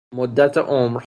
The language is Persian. مدت عمر